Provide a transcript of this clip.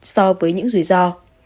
so với những rủi ro